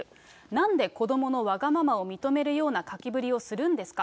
なんで子どものわがままを認めるような書きぶりをするんですか。